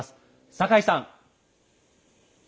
酒井さん。